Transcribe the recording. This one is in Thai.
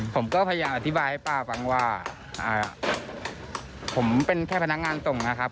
ผมก็พยายามอธิบายให้ป้าฟังว่าผมเป็นแค่พนักงานส่งนะครับ